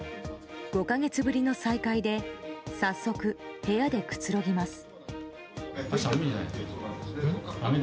５か月ぶりの再会で早速、部屋でくつろぎます。